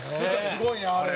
すごいね、あれ。